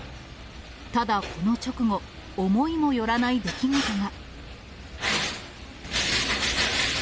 ただ、この直後、思いもよらない出来事が。